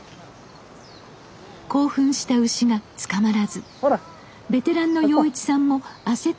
興奮した牛が捕まらずベテランの洋一さんも焦っていました。